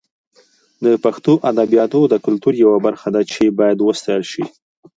د پښتو ادبیات د کلتور یوه برخه ده چې باید وساتل شي.